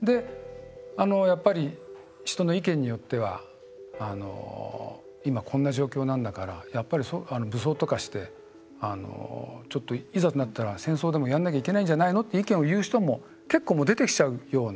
やっぱり、人の意見によっては今、こんな状況なんだからやっぱり武装とかしていざとなったら戦争でもやんなきゃいけないんじゃないのっていう意見を言う人も結構もう出てきちゃうような。